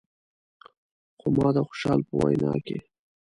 خو ما د خوشحال په وینا کې.